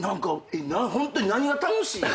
ホントに何が楽しいの？